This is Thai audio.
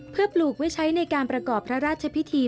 เพื่อปลูกไว้ใช้ในการประกอบพระราชพิธี